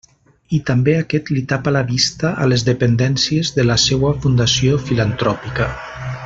I també aquest li tapa la vista a les dependències de la seua fundació filantròpica.